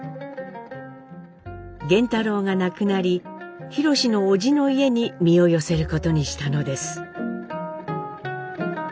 源太郎が亡くなり宏の叔父の家に身を寄せることにしたのです。